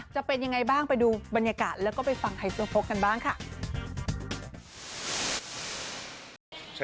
จะเป็นยังไงบ้างไปดูบรรยากาศแล้วก็ไปฟังไฮโซโพกกันบ้างค่ะ